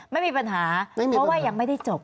ไม่มีปัญหาเพราะว่ายังไม่ได้จบ